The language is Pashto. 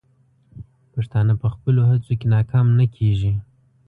پښتانه په خپلو هڅو کې ناکام نه کیږي.